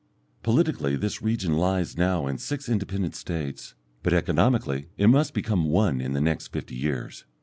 Politically this region lies now in six independent States, but economically it must become one in the next fifty years.